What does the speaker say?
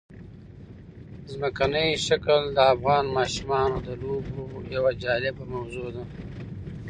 ځمکنی شکل د افغان ماشومانو د لوبو یوه جالبه موضوع ده.